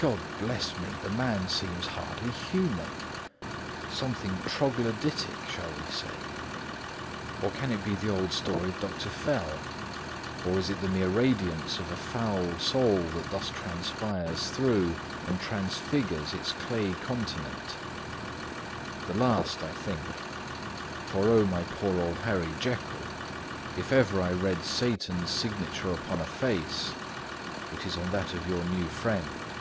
God bless me, the man seems hardly human! Something troglodytic, shall we say? or can it be the old story of Dr. Fell? or is it the mere radiance of a foul soul that thus transpires through, and transfigures, its clay continent? The last, I think; for, O my poor old Harry Jekyll, if ever I read Satan's signature upon a face, it is on that of your new friend."